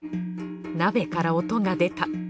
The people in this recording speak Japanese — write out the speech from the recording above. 鍋から音が出た。